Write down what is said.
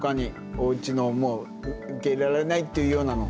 おうちのもう受け入れられないというようなの。